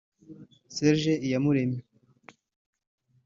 Serge Iyamuremye